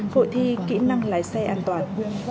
hội thi kỹ năng lái xe an toàn